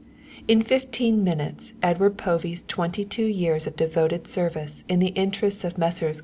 In fifteen minutes Edward Povey's twenty two years of devoted service in the interests of Messrs.